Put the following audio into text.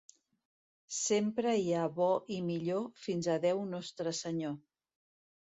Sempre hi ha bo i millor fins a Déu Nostre Senyor.